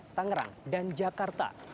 di tangerang dan jakarta